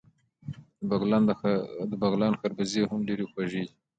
د بغلان خربوزې هم ډیرې خوږې دي.